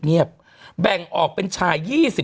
เงียบแบ่งออกเป็นชาย๒๐